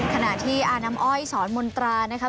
ขณะที่อออ่อยสอนมนตรานะคะ